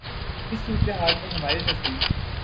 اس صورتِ حال میں ہمارے نزدیک